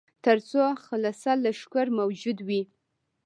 تر څو خلصه لښکر موجود وي.